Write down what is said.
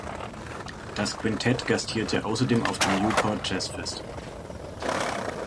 Das Quintett gastierte außerdem auf dem Newport Jazz Festival.